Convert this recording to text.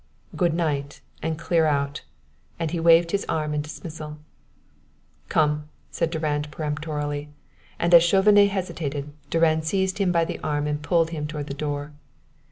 "Good night, and clear out," and he waved his arm in dismissal. "Come!" said Durand peremptorily, and as Chauvenet hesitated, Durand seized him by the arm and pulled him toward the door.